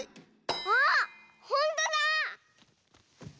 あっほんとだ！